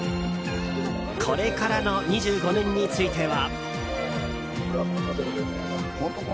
これからの２５年については。